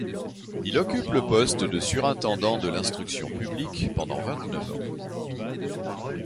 Il occupe le poste de surintendant de l'Instruction publique pendant vingt-neuf ans.